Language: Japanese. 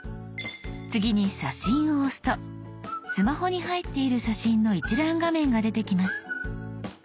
次に「写真」を押すとスマホに入っている写真の一覧画面が出てきます。